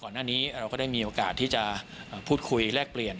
หน้านี้เราก็ได้มีโอกาสที่จะพูดคุยแลกเปลี่ยน